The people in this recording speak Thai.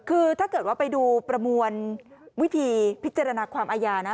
คือถ้าเกิดว่าไปดูประมวลวิธีพิจารณาความอาญานะ